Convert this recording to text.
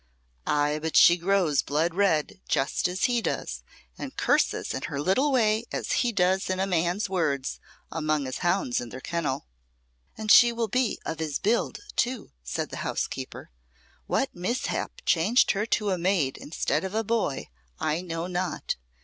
Ay, but she grows blood red just as he does, and curses in her little way as he does in man's words among his hounds in their kennel." "And she will be of his build, too," said the housekeeper. "What mishap changed her to a maid instead of a boy, I know not.